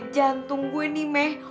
jantung gue nih meh